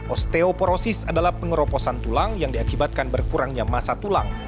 osteoporosis adalah pengeroposan tulang yang diakibatkan berkurangnya masa tulang